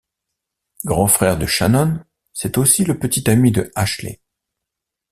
Grand frère de Shannon, c'est aussi le petit ami de Ashley.